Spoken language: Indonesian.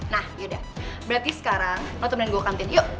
nah yaudah berarti sekarang lo temenin gue ke kantin yuk